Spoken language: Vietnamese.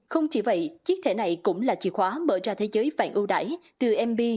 không chỉ vậy chiếc thẻ này cũng là chìa khóa mở ra thế giới vàng ưu đải từ mb